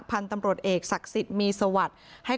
แต่ยอมรับว่าลูกสาวเขาหายตัวไป